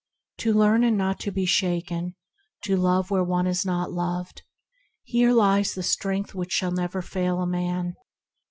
To learn, and not to be shaken; to love where one is not loved; herein lies the strength that shall never fail a man.